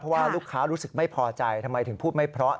เพราะว่าลูกค้ารู้สึกไม่พอใจทำไมถึงพูดไม่เพราะ